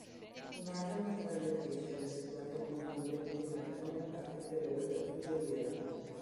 Un'altra mitragliatrice era situata in una gondola integrata nella parte inferiore della fusoliera.